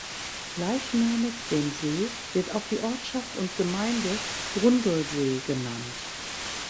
Gleichnamig dem See wird auch die Ortschaft und Gemeinde "Grundlsee" genannt.